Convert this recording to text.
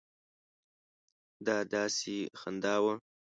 دا داسې خندا وه.